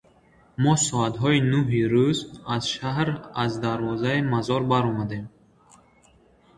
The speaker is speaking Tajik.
Мо соатҳои нуҳи рӯз аз шаҳр – аз дарвозаи Мазор баромадем.